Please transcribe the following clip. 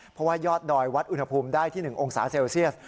เพราะว่ายอดดอยวัดอุณหภูมิได้ที่๑องศาเซลเซียส